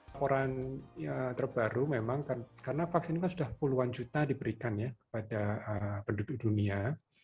laporan terbaru memang karena vaksin kan sudah puluhan juta diberikan ya kepada penduduk dunia